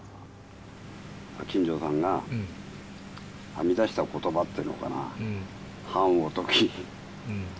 金城さんが編み出した言葉っていうのかな。